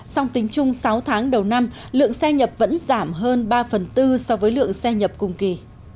song tính chung sáu tháng đầu năm lượng xe nhập vẫn giảm hơn ba phần tư so với lượng xe nhập cùng kỳ